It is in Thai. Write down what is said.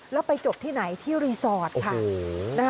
แล้วไปจบที่ไหนที่รีสอร์ทค่ะ